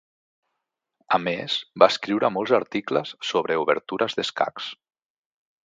A més, va escriure molts articles sobre obertures d'escacs.